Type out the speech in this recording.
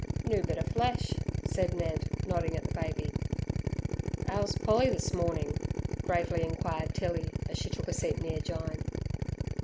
"Noo bit er flesh," said Ned, nodding at the baby. "Ow's Polly this mornin'?" gravely inquired Tilly, as she took a seat near Jyne.